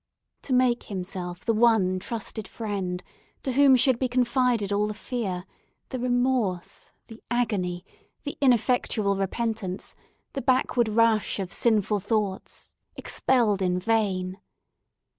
To make himself the one trusted friend, to whom should be confided all the fear, the remorse, the agony, the ineffectual repentance, the backward rush of sinful thoughts, expelled in vain!